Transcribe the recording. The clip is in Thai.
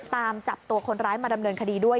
ตามจับตัวคนร้ายมาดำเนินคดีด้วย